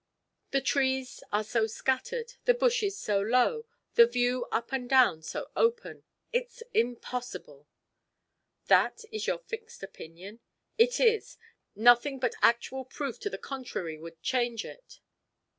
The trees are so scattered, the bushes so low, the view up and down so open. It's impossible!" "That is your fixed opinion?" "It is. Nothing but actual proof to the contrary would change it."